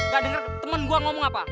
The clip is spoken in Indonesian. gak denger temen gue ngomong apa